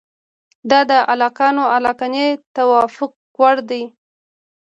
دا د عاقلانو د عقلاني توافق وړ دي.